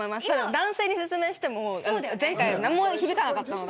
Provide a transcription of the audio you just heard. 男性に説明しても何も響かなかったので。